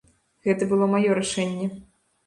Гэта было маё рашэнне.